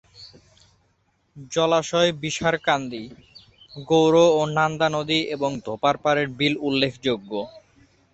জলাশয় বিষারকান্দি, গৌর ও নান্দা নদী এবং ধোপার পারের বিল উল্লেখযোগ্য।